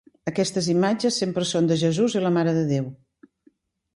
Aquestes imatges sempre són de Jesús i la Mare de Déu.